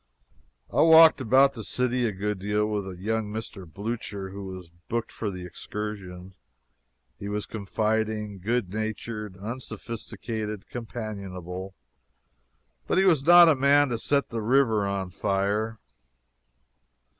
I walked about the city a good deal with a young Mr. Blucher, who was booked for the excursion. He was confiding, good natured, unsophisticated, companionable; but he was not a man to set the river on fire.